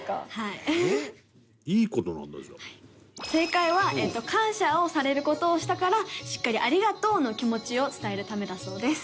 正解は感謝をされる事をしたからしっかりありがとうの気持ちを伝えるためだそうです。